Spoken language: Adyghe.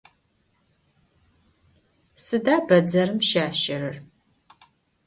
Sıda bedzerım şaşerer?